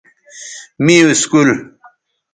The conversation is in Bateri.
می اسکول